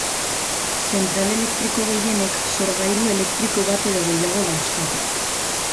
Zentral elektriko gehienek sorgailu elektriko bat edo gehiago dauzkate.